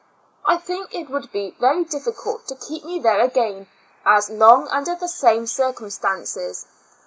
I think it would be very diffi cult to keep me there again as long under the same circumstances.